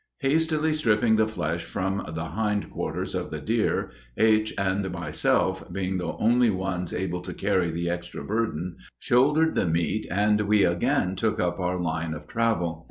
Hastily stripping the flesh from the hind quarters of the deer, Aich and myself, being the only ones able to carry the extra burden, shouldered the meat and we again took up our line of travel.